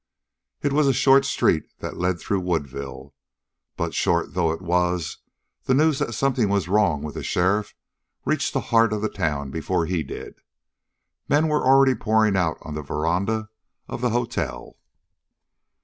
It was a short street that led through Woodville, but, short though it was, the news that something was wrong with the sheriff reached the heart of the town before he did. Men were already pouring out on the veranda of the hotel.